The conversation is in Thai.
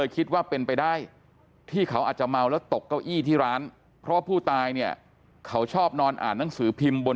ที่ว่าตกเก้าอี้แล้วแบบ